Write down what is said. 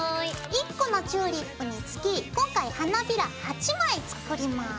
１個のチューリップにつき今回花びら８枚作ります。